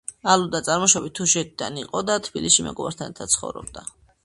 ალუდა წარმოშობით დუშეთიდან იყო და თბილისში მეგობართან ერთად ცხოვრობდა.